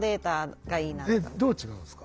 どう違うんですか？